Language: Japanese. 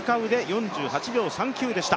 ４８秒３９でした。